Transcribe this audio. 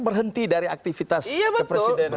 berhenti dari aktivitas ke presiden